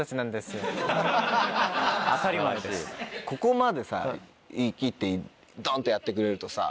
ここまで言い切ってどんとやってくれるとさ